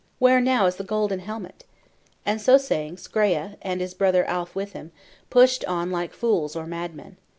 Where now is the golden helmet?' And so saying, Skreya, and his brother Alf with him, pushed on like fools or madmen.